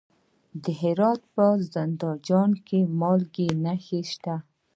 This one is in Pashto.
د هرات په زنده جان کې د مالګې نښې شته.